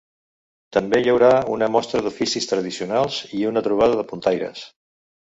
També hi haurà una mostra d’oficis tradicionals i una trobada de puntaires.